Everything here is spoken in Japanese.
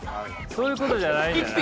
そういうことじゃないんじゃない。